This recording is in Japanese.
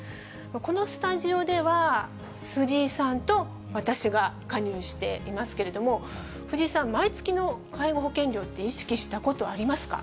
このスタジオでは、藤井さんと私が加入していますけれども、藤井さん、毎月の介護保険料って意識したことありますか。